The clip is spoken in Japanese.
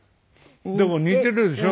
でも似てるでしょ？